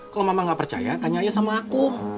kalau mama gak percaya tanya aja sama akum